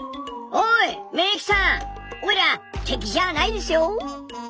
おいら敵じゃないですよ。